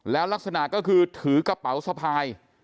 แล้วลักษณะก็คือถือกระเป๋าสะพาย